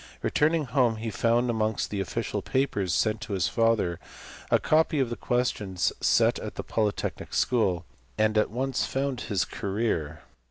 Returning home he found amongst the official papers sent to his father a copy of the questions set at the Polytechnic school, and at once found his career.